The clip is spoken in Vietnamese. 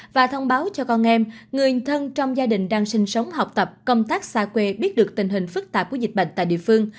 và thông báo cho con em người thân trong gia đình đang sinh sống học tập công tác xa quê biết được tình hình phức tạp của dịch bệnh tại địa phương